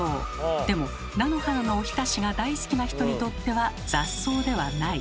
でも菜の花のおひたしが大好きな人にとっては雑草ではない。